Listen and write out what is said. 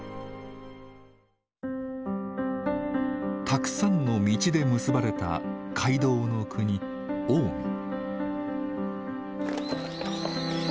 たくさんの道で結ばれた街道の国近江。